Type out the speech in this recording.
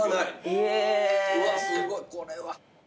うわすごいこれは。